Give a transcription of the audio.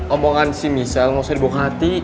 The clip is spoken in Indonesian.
omongan si michelle gak usah dibuka hati